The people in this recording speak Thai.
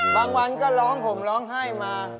บางวันก็ร้องห่มร้องไห้มา